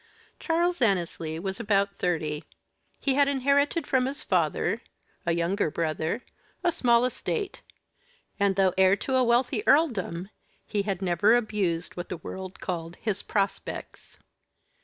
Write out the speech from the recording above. Charles Annesley was about thirty. He had inherited from his father, a younger brother, a small estate; and though heir to a wealthy earldom, he had never abused what the world called "his prospects."